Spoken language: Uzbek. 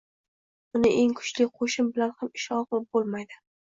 uni eng kuchli qo‘shin bilan ham ishg‘ol qilib bo‘lmaydi.